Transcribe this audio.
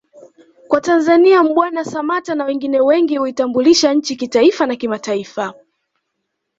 kwa Tanzania Mbwana Samata na wengine wengi uitambulisha nchi kitaifa na kimataifa